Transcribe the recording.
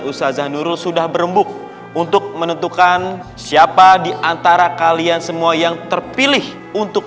usaha zahnurul sudah berembuk untuk menentukan siapa diantara kalian semua yang terpilih untuk